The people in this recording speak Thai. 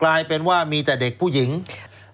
แล้วเขาก็ใช้วิธีการเหมือนกับในการ์ตูน